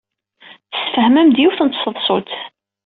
Tessefhem-d yiwet n tseḍsut.